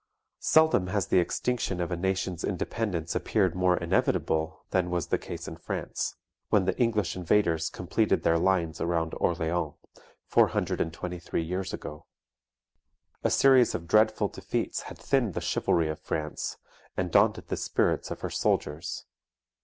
Seldom has the extinction of a a nation's independence appeared more inevitable than was the case in France, when the English invaders completed their lines round Orleans, four hundred and twenty three years ago. A series of dreadful defeats had thinned the chivalry of France, and daunted the spirits of her soldiers.